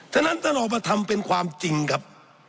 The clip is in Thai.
ฉะนั้นท่านออกมาทำเป็นความจริงครับ